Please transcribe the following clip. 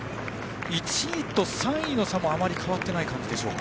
１位と３位の差もあまり変わっていない感じか。